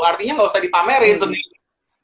artinya nggak usah dipamerin sendiri